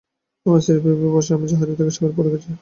আমার স্ত্রী ভেবে বসবে আমি জাহাজ থেকে সাগরে পড়ে গেছি।